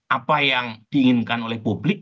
apa yang diinginkan oleh publik